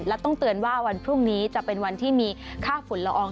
และต้องเตือนว่าวันพรุ่งนี้จะเป็นวันที่มีค่าฝุ่นละออง